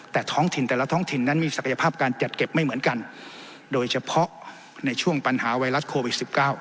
แต่ท้องถิ่นแต่ละท้องถิ่นนั้นมีศักยภาพการจัดเก็บไม่เหมือนกันโดยเฉพาะในช่วงปัญหาไวรัสโควิด๑๙